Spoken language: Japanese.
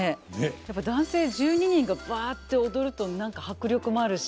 やっぱり男性１２人がぶわって踊ると何か迫力もあるし。